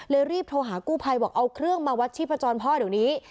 รีบโทรหากู้ภัยบอกเอาเครื่องมาวัดชีพจรพ่อเดี๋ยวนี้